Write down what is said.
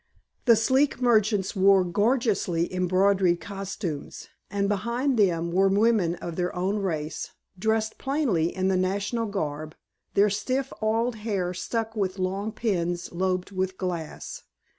The sleek merchants wore gorgeously embroidered costumes, and behind them were women of their own race, dressed plainly in the national garb, their stiff oiled hair stuck with long pins lobed with glass.